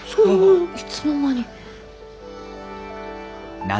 いつの間に。